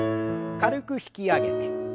軽く引き上げて。